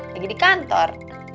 lagi di kantor